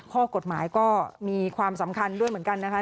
ข้อกฎหมายก็มีความสำคัญด้วยเหมือนกันนะคะ